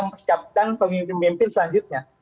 mempersiapkan pemimpin pemimpin selanjutnya